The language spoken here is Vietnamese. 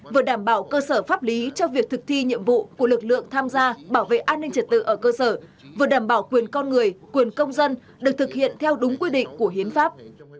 vừa đảm bảo cơ sở pháp lý cho việc thực thi nhiệm vụ của lực lượng tham gia bảo vệ an ninh trật tự ở cơ sở vừa đảm bảo quyền con người quyền công dân được thực hiện theo đúng quy định của hiến pháp